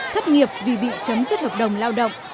thất nghiệp vì bị chấm dứt hợp đồng lao động